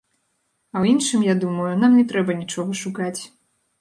А ў іншым, я думаю, нам не трэба нічога шукаць.